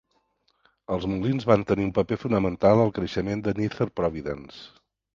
Els molins van tenir un paper fonamental al creixement de Nether Providence.